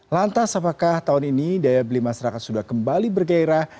lantas apakah tahun ini daya beli masyarakat sudah kembali bergairah